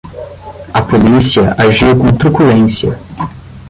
A polícia agiu com truculência